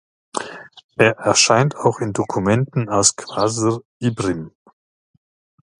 Er erscheint auch in Dokumenten aus Qasr Ibrim.